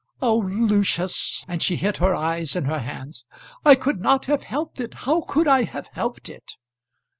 "Oh, Lucius!" and she hid her eyes in her hands. "I could not have helped it. How could I have helped it?"